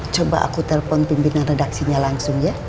coba aku telpon pimpinan redaksinya langsung ya